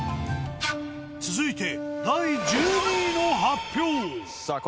続いて第１２位の発表。